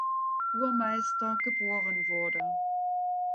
Burmeister geboren wurde.